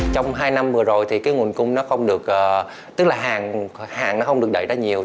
trong hai năm vừa rồi nguồn cung không được đẩy ra nhiều